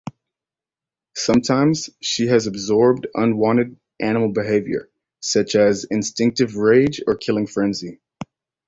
Sometimes, she has absorbed unwanted animal behavior, such as instinctive rage or killing frenzy.